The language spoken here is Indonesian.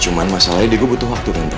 cuman masalahnya diego butuh waktu